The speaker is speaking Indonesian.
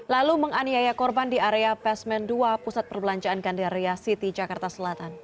lalu menganiaya korban di area basement dua pusat perbelanjaan gandaria city jakarta selatan